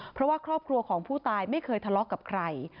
เพราะว่าครอบครัวของผู้ตายไม่เคยทะเลาะกับใคร